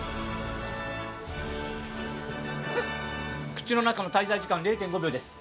口の中の滞在時間０．５秒です。